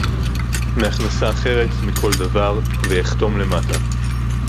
מהכנסה אחרת, מכל דבר, ויחתום למטה